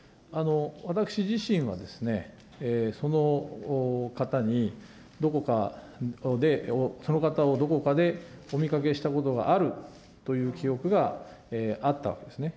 私自身はその方にどこかで、その方をどこかでお見かけしたことがあるという記憶があったわけですね。